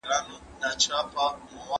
هیوادونو به د مظلومانو کلکه ساتنه کوله.